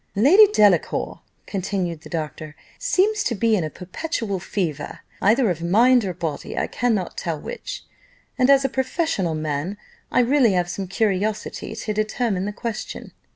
"Lady Delacour," continued the doctor, "seems to be in a perpetual fever, either of mind or body I cannot tell which and as a professional man, I really have some curiosity to determine the question.